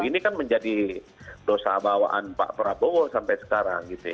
ini kan menjadi dosa bawaan pak prabowo sampai sekarang